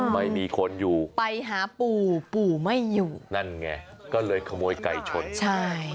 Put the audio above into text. ไม่มีคนอยู่ไปหาปู่ปู่ไม่อยู่นั่นไงก็เลยขโมยไก่ชนใช่